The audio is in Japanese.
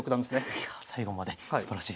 いやあ最後まですばらしい。